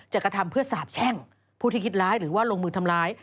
กระทำเพื่อสาบแช่งผู้ที่คิดร้ายหรือว่าลงมือทำร้าย